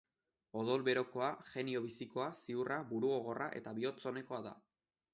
Odol berokoa, jenio bizikoa, ziurra, burugogorra eta bihotz onekoa da.